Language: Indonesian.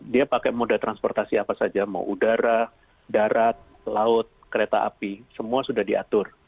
dia pakai moda transportasi apa saja mau udara darat laut kereta api semua sudah diatur